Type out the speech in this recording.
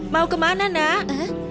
mau kemana nak